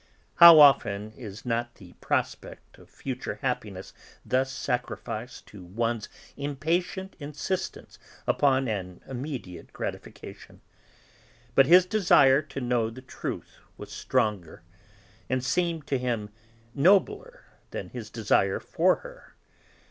How often is not the prospect of future happiness thus sacrificed to one's impatient insistence upon an immediate gratification. But his desire to know the truth was stronger, and seemed to him nobler than his desire for her.